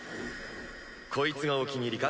コイツがお気に入りか？